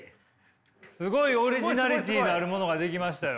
すごいオリジナリティーのあるものが出来ましたよ。